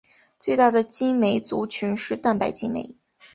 最大的激酶族群是蛋白激酶。